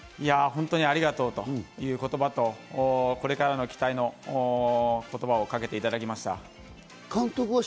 本当にありがとうという言葉と、これからの期待の言葉をかけていただきました。